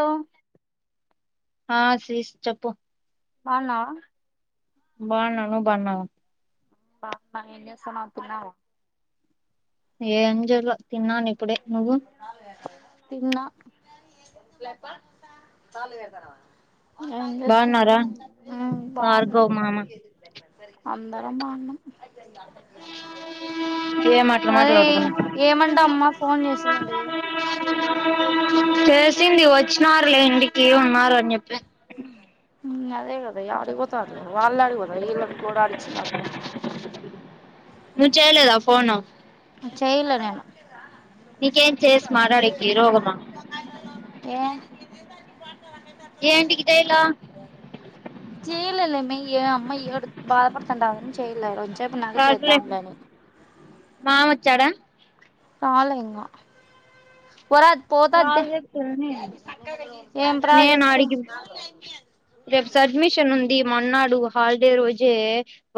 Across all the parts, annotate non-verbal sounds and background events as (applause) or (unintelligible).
అ ఆ సీస్ చెప్పు బావున్న వా బావ్ న్నా నువ్ బావున్నావా హా ఏం చేస్తున్నవ్ తిన్నావా ఏంజలే తిన్నాను ఇప్పుడే నువ్వు తిన్నా ప్ప తాలుగారు తారవా పం బాగున్నారా చేస్తున్నావ్ హ్మ్ బావున్నా భార్గవ్ మామ అందరం బాగున్నాం ఏం అట్లా అదే మాట్లాడుకున్నావ్ ఏమంట అమ్మా ఫోన్ చేసి ండవ చేసింది వచ్చినారులే ఇంటికి ఉన్నారు అని చెప్పి హ్మ్ అదే కదా యాడికి పోత్ ర్రు వాళ్ళలాడిపోద ఇళ్ళం కూడాడ అడిచ నాకు నువ్వు చేయలేదా ఫోను చేయలే నేను నీకేం చేసి మాట్లాడేకి రోగమా ఏమైం ఏదనికి ఏంటి గట్టయిలా చేయలేలేమే ఏ అమ్ ఏడు త్ బాధపడుతుండా దని చేయలే ఆ రోజు రేపు నాకు చేద్దాంలేని బావ వచ్చాడా రాలే ఇంగా ప్రాజెక్ట్ ఉంది ఏం ప్రాజెక్టు రేప్ సడ్మిషన్ ఉంది మొన్నాడు హాలిడే రోజే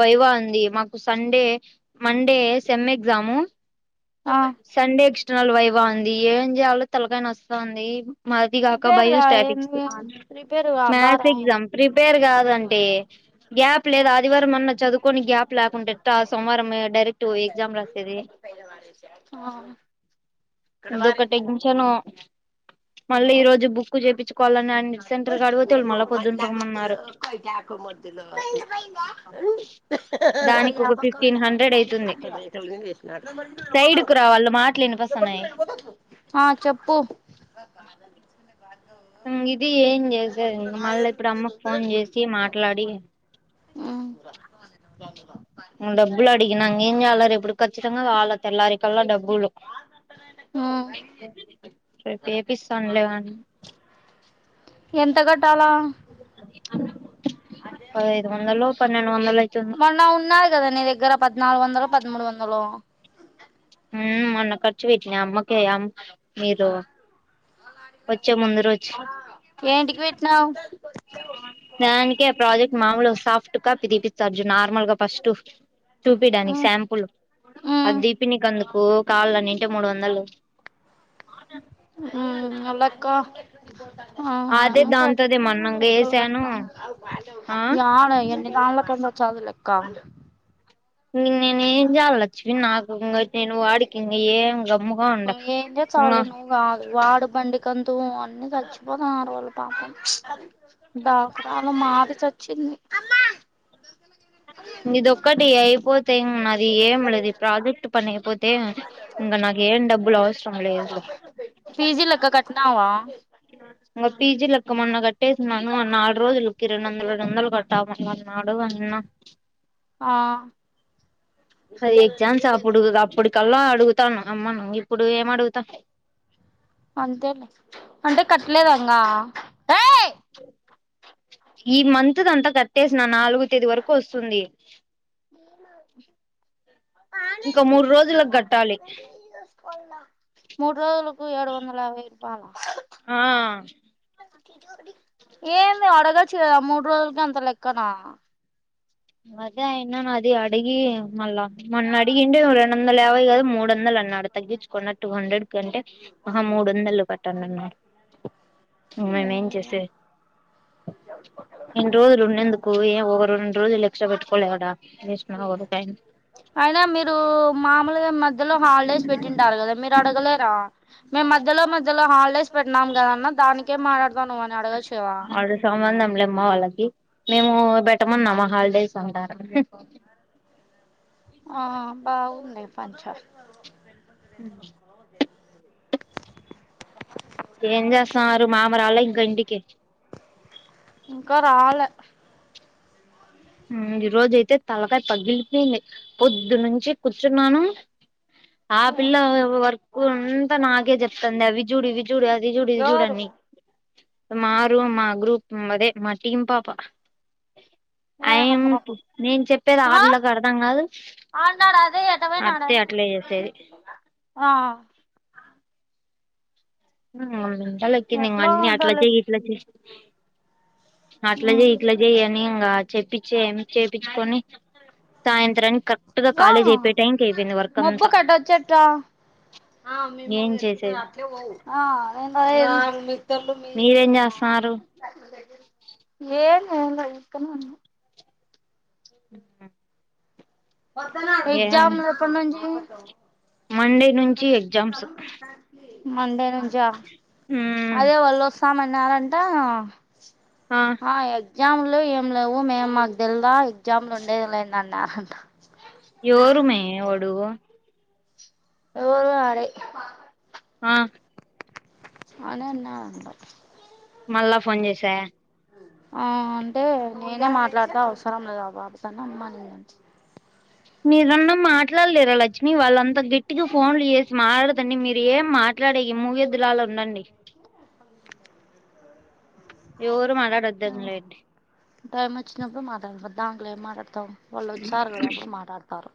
వైవా ఉంది మాకు సండే మండే సెమ్ ఎగ్జాము ఆ సండే ఎక్స్ ర్నల్ వైవా ఉంది ఏం చేయాలో తలకాయ్ నోస్తా వుంది. మాదిగాక ప్రిపేర్ గా బయోస్టాటిక్స్ ఏంది ప్రిపేర్ గా బా మ్యాథ్స్ రాయి ఎగ్జామ్ ప్రిపేర్ కాదంటే గ్యాప్ లేదా ఆదివారం అన్న చదువుకొని గ్యాప్ లేకుంటే ట్ట సోమవారం డైరెక్ట్ ఎగ్జామ్ రాసేది. ఇదొక టెన్షన్ ఆ మళ్ళీ ఈరోజు బుక్ చేపిచ్చుకోవాలని అన్నే మనా బదులు కైటీ ఆఖద్లు క దానికి ఒక ఫిఫ్టీన్ మా హండ్రెడ్ అయితుంది బన్నారు సైడ్ కు రా వాళ్ళ మాట్ల్ వినిపిస్తున్నాయి. ఆ చెప్పు హ్మ్ ఇది ఏం చేసారు ఇం మళ్ళ ఇప్పుడు అమ్మకు ఫోన్ చేసి మాట్లాడి ఉమ్ డబ్బులు అడిగినేం చేయాల రేపుడు ఖచ్చితంగా కావాల తెల్లారి కల్లా డబ్బులు రేపు వపిస్తాను లేవ ఎంత కట్టాలా పదైదు వందలో పన్నెండు వందల మొన్న ఉన్నాయి కదా నీ దగ్గర పద్నాలుగు వందలు పదమూడు వందలో ఉమ్ అమ్మాకి ఖర్చు పెట్టినా అమ్మకే అమ్మ మీరు వచ్చే ముందు రోజు ఏంటికి పెట్టినావు దానికి ఆ ప్రాజెక్ట్ మామూలు సాఫ్ట్ కాపి దీపిస్థారు చూడు నార్మల్ గా ఫస్ట్ చూపిడానికి శాంపుల్ అది మ్మ్ దీపిని అందుకు కావాలనింటే మూడు వందలు ఉమ్ అవ్లీక్కా అదే దాంతోదే మొన్నంగా (unintelligible) కట్ట ఏసాను ఆ యాడా ఎన్ని దానాలకి వచ్చా అదులేక్క ఇంక నేను ఏం చాల నచ్చిపో నాకు ఇంకా నేను వాడికి ఇంక ఏ గమ్ముగా ఉండ ఇంకా కతు అన్ని చచిపోతునారు వాలు పాపం దకుళ మాది చచ్చింది ఇదిక్కటి అయిపోతే ఇం నాది ఏం లేదు ప్రాజెక్ట్ పని అయిపోతే ఇంక నాక ఏం డబ్బులు అవసరం లేదు పీజీలగ గా కట్నా ఇగా మొన్న కట్టేసిన్నాను మ నాలుడు రోజులకి రెండు వందల రెండు వందలు కట్టాన్నాడు అన్న ఆ అది ఎక్జాన్స్పుడు అప్పుడుకల్లా అడుగు థాను అమ్మను ఇప్పుడు ఏమ అడుగుతా అంతేలే అంటే కట్టలేదంగా ఏయ్ ఈ మంత్ది అంతా కట్టేసిన నాలుగు తేదీ వరకు వస్తుంది ఇంకా మూడు రోజులకు కట్టాలి మూడు రోజులు ఏడు వందలభ ఇపాల ఆ ఏంది అడగ చా మూడు రోజులకి అంత లెక్కనా అదే అయినా నా అది అడిగి మళ్ళా మొన్న అడిగిండే రెండు వందలు ఏవై కదా మూడు వందలు అన్నాడు తగ్గించుకున్న టూ హండ్రెడ్ కంటే ఒక మూడు వందలు కట్టండిన్నాడు మేము ఏం చేసే రెండు రోజులు ఉండేందుకు ఏ ఒక రెండు రోజులు ఇష్ట పెట్క అడా స్ట్ (unintelligible) అయినా మీరు మామూలుగా మధ్యలో హాలిడేస్ పెట్టింటారు కదా మీరు అడగలేరా మే మధ్యలో మధ్యలో హాలిడేస్ పెట్టినాం కదన్న దానికే మాట్లాడతా నువ్ అని అడగొచ్చు అది సమా మ్మ వాళ్ళకి మేము పెట్టమనిమ్మా హాలిడేస్ అంటారు ఆ బాగుంది ప చ హ్మ్ ఏం చేస్తాన్నారు మామరాల ఇంక ఇంటికి ఇంకా రాల్ ఉమ్ ఈ రోజయితే తలకాయ పాగ్గిలిపోయింది పొద్దునుంచి కూర్చున్నాను ఆ పిల్ల వరకు అంతా నాకే చెప్తుంది అవి జుడి ఇవి జుడేది జుడిది ఎవరు జుడని మా రూ మా గ్రూప్ అదే మా టీమ్ పాపా అ నేనా పాపం నేను చెప్పేది ఆ ఆర్ల్లోకి అడదాం కాదు ఆన్నాడు అదే అడితే ఎటపోయినాడని అట్లే చేసేది ఆ మ్మ్ అలకి ఎట్లా అన్నీ అట్లా ఉంటలే చెయి ఇట్లా చేయి అట్లా చెయి ఇట్లా చేయయి అనిం కాదు చెప్పించి ఏం చేపించుకొని సాయంతం వర్క్ మబ్బు అంతా కట్టవచ్ ఎట్టా ఆ ఏం చేసేది అ మీరేం చేస్తున్నారు ఏం ఏం లే ఊరికనే ఉన్న మ్మ్ హ్మ్ ఎగ్జామ్ లు ఎప్పటి నుంచి మండే నుంచి ఎగ్జామ్స్ మండేను మ్ అదే వాళ్ళు వస్తాం అని నారంట ఆ ఆ అదే ఎగ్జామ్లు ఏం లేవు మేము మాకు తెలుదా ఎగ్జామ్లు ఉండేది లేందన్న ఎవరు మై వాడు ఎవరు వాడే ఆ అని అన్నా రాంటా మళ్ళా ఫోన్ చేసా ఆ అంటే నేనే మాట్లాడితే అవసరం లేదా బాబుతన్న అన్న నేను మీరున్న మాట్లాడలేరా లక్ష్మి వాళ్ళంతా గిట్టిగా ఫోన్లు చేసి మాట్లాడదండి మీరు ఏం మాట్లాడే మూవ ఎద్దులాల ఉండండి ఎవరు ఓ మాట్లాడొద్దంలేండి టైమ్ వచ్చినపుడు మాటాడతారు దాంగ్లే ఏం మాట్లాడతాం వాళ్ళు వచ్చారు కదా అప్పుడు మాట్లాడతారు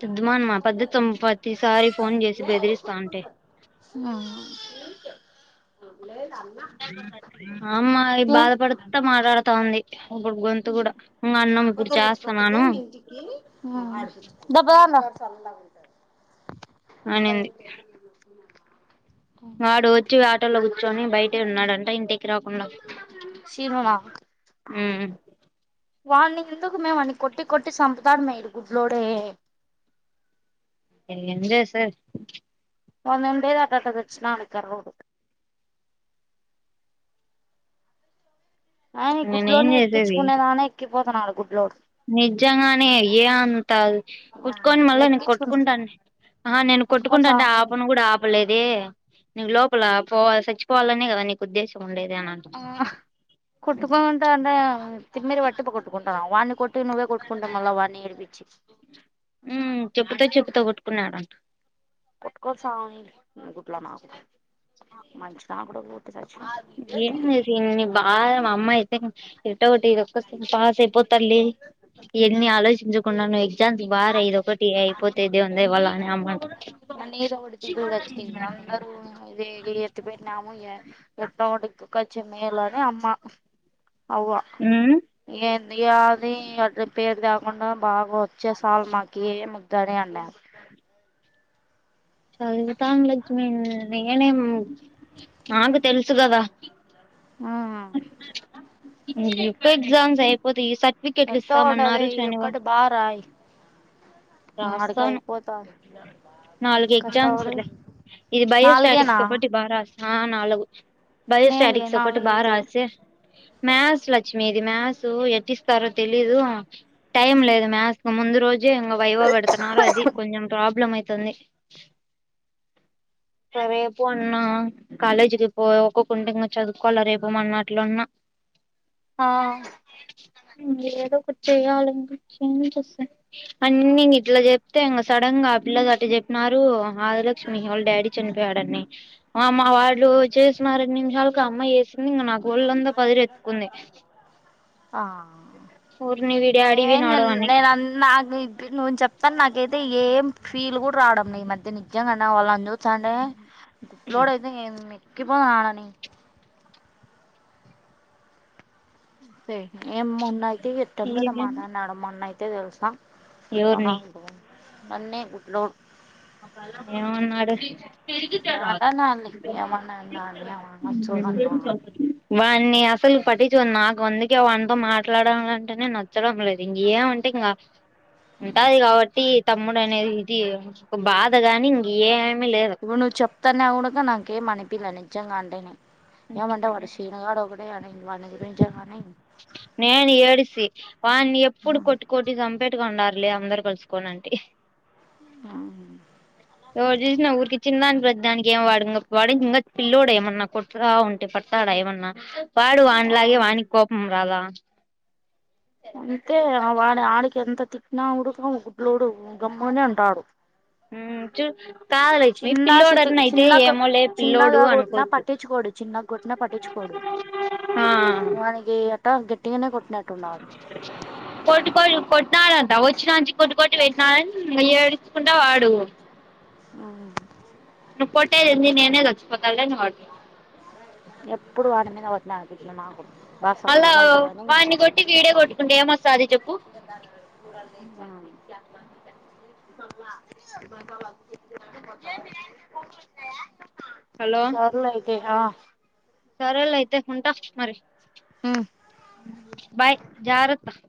సిద్ద్దమా అనమా పెద్ద త ప్రతిసారి ఫోన్ చేసి బెదిరిస్తా అంటే అమా బాధపడుతా మాట్లాడుతా ఉంది ఇప్పుడు గొంతు కూడా ఇంగ అన్నం ఆ ఇప్పుడు చేస్తన్నాను బాబో అన్న అనింది వాడు వచ్చి ఆటోలో కూర్చొని బయట ఉన్నాడంట ఇం రాకుండా శీనునా మ్మ్ వాణి ఎందుకుమే వాన్న కొట్టి కొట్టి సపుతాడ మే ఇ గుడ్లోడ ఎం చేసారు వందండే తాటాట తెచ్చిన ఆట ఆట సచ్చినాడు కర్రోడు ఆయన నేనేం గుడ్లోనే చేసేది ఎక్కించుకునేదా ఎక్కి పోతున్నాడు గుడ్డలోడు నిజంగానే ఏ అంత కుట్టుకొని మళ్ళా నీ ఎక్కించుకున్నా కొట్టుకుంటాను ఆ నేను కొట్టుకొని కొట్టుకుంటాను అంటే సావని ఆపను కూడా ఆపలేదే నీ లోప పల పోల చచ్చిపోవాలనే కదా నీకు ఉద్దేశం ఉండేది అని అంట ఆ కుట్టుకుంటా అంటే తిమ్మిర పట్టి ప కొట్టుకుంటాన్నావు వాడిని కొట్టి నువ్వే కొట్టుకుంటాం మళ్ళా వాడిని ఏడిపించి చెప్పుతో చెప్పుతో కొట్టుకున్నాడంట పట్టుకోనీ సవని మంచిన కూడ ఏం అది బాగా మా అమ్మాయి అయితే ఇటో ఒకటి ఇదొక్క పాస్ అయిపోతల్లి యెన్ని ఆలోచించుకున్నాను ఎగ్జామ్స్ బాగా రాయి ఇదొ ఒకటి అయిపోతే దేవుని దయ వల్ల అని అమ్మంట మనీద ఒకటి దిగు వచ్చంది అందరు ఇది ఎత్తి పెట్నాము ఎట్టో వడి కు కాచ్చ మేలాడ అమ్మా అవ్వ ఉమ్ ఏ ఎయది అ పేరుద బాగా వస్తె చాలు మాకి ఏ ముద్దని అన్నారు చదువుతాను లక్ష్మి నేనేం నాకు తెలుసు కదా ఆ (inaudible) ఎ ఎగ్జామ్స్ అయిపోతాయి సర్టిఫికెట్లు ఎట్టో ఒకటి ఇస్తామన్నారు అది ఈ ఒక్కటి శనివారం బా రాయి ఆడికి రాస్తాను అయిపోతాది నాలుగు ఎగ్జామ్స్ కష్టపడి ఇది నాలుగేనా బయోస్టాటిక్స్ ఒకటి బాగా రాస్తా ఆ నాలుగు మేలే బయస్టటిక్స్ ఒకటి బాగా నాలుగైతే మ్యాథ్స్ లక్ష్మిీ ఇది మ్యాథ్స్ ఎట్టిస్తారో తెలీదు టైం లేదు మ్యాథ్స్ కి ముందు రోజే ఇంకా వైవ పెడుతున్నారు అది కొంచెం ప్రాబ్లం అయితుంది రేపు అన్నా కాలేజీకి పో ఒక్కొక్కంటి చదువుకోవాలా రేపు ఇ మొన్న అట్లున్న ఆ అని నేని ఇట్లా చెప్తే ఇంక సడన్ గా ఆ పిల్లలు అట్టి చెప్పినారు ఆదిలక్ష్మి వాళ్ళ డాడీ చనిపోయాడన్ని ఆ ఆళ్ళు చేసినా రెండు నిమిషాలకు ఆ అమ్మాయి ఇంగ నా ఆ ఓర్ని వీడి ఏ డాడీ వినాడు నేన్ అని నేనన్ నాకు తి నువ్వు చెప్తాన్న నాకైతే ఏం ఫీల్ కూడా రావడంలా న ఈ మధ్య నిజంగానే వాళ్ళని చూత్ సండే గుట్లోడ అయితే మేక్కిపోనాడని సేహే ఏం మొన్నయితే ఎట్టండ మాట అన్నాడు మొన్నయితే తే తెల్సా ఉచ్చన్నా ఎవరిని అయిటివే నన్నే గుడ్లోడు ఏనున్నాడు హుహు మాట్లాడినాడులే ఏమన్నా అన్నాని వాన్ని అసలు పట్ంచుకోను నాకు అందుకే వాతో మాట్లాడాలాలంటేనేే నచ్చడం లేదు ఇంక ఏమంటే ఇంకా ఉంటాది కాబట్టి తమ్ముడు అనేది ది ఒ బాద్ ఇప్పుడ్ నువ్ చెప్తాన్న గూడ క నాక మనీపిల్లానే జంగా అంటేని అని వాని గురించే కానీ నేను ఏడిసి వాన్ని ఎప్పుడు కొట్టు కొట్టి సంపెట్టుగా ఉండాలి లి అందరు కల్స్కోనంటి ఆ ఎవరు చూసిన ఊరికి చిన్న దానికి ప్రతి దానికి ఏం వాడు ఇం వాడి ఇంకా పిల్ల్లోడు ఏమన్నా కొట్టగా ఉంటే పడతాడు ఏమన్నా వాడు ఆ వానిలాగే వాణకి కోపం రాదా అంతే ఆ వాడి ఆడికి ఎంత తిట్నాకూడ గుడ్లోడు గమ్ముగానే ఉంటాడు. ఉమ్ చి కాదు లక్ష్మి చిన్న చిత పిల్లోడట్నయితే చిన్నగా ఏమో లే పిల్లోడు చిన్నగా కొట్టినా అనుకోవచ్చు పట్టించుకోడు చిన్నగా కొట్టినా పట్టించుకోడు ఆ వానికి అట్ట గట్టిగానే కొట్టినట్టున్నాడు కొట్టుకోర్రి కొట్టినాడంట వచ్చినాంచి కొట్టు కొట్టి పెట్టినాలని ఏడుచుకుంటా వాడు ఆ నువ్వు కొట్టేదేంది నేనే చచ్చిపోతాలే అనేవాడు ఎప్పుడు వాడి మీద వ నాట్ ప్లిమా అళ్ళ వాడిని కొట్టి వీడే కొట్టుకుంటే ఏమో వస్తాది చెప్పు ఆ ఇ అ అ హలో సర్లే ఐ ఏ హా సరేలే అయితే ఉంటా మరి ఉమ్ బాయ్ జారత్త